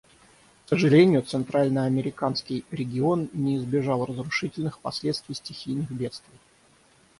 К сожалению, центральноамериканский регион не избежал разрушительных последствий стихийных бедствий.